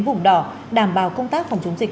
vùng đỏ đảm bảo công tác phòng chống dịch